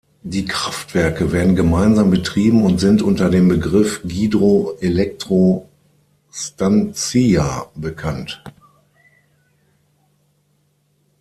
Die Kraftwerke werden gemeinsam betrieben und sind unter dem Begriff "Gidro-Elektro-Stancija" bekannt.